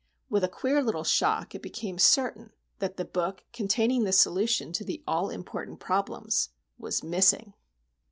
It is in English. With a queer little shock it became certain that the book containing the solution to the all important problems was missing!